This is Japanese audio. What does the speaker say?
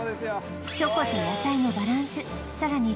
チョコと野菜のバランスさらに